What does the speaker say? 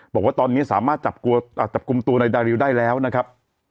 บอกว่าตอนนี้สามารถจับกลุ่มตัวนายดาริวได้แล้วนะครับ